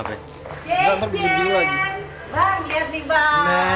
jajan bang lihat nih bang